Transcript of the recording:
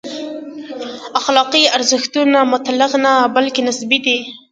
اخلاقي ارزښتونه مطلق نه، بلکې نسبي دي.